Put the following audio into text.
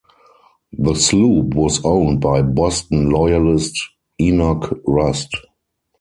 The sloop was owned by Boston loyalist Enoch Rust.